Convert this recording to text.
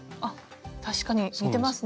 確かに似てますね。